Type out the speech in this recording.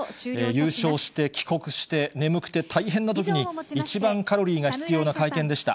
優勝して帰国して、眠くて大変なときに、一番カロリーが必要な会見でした。